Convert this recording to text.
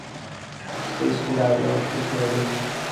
সৃষ্টির আদি অবস্থা ছিল ভিন্ন।